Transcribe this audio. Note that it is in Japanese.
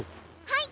はい。